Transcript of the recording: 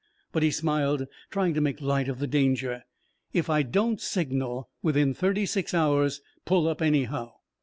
But" he smiled, trying to make light of the danger "if I don't signal within thirty six hours, pull up anyhow."